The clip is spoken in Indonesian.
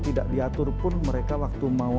tidak diatur pun mereka waktu mau